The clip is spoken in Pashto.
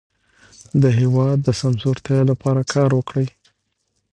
د هېواد د سمسورتیا لپاره کار وکړئ.